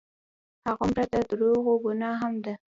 هغومره د دروغو ګناه هم ده.